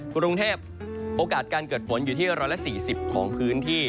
กรุงเทพโอกาสการเกิดฝนอยู่ที่๑๔๐ของพื้นที่